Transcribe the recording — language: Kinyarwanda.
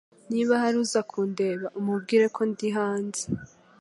Niba hari uza kundeba, umubwire ko ndi hanze.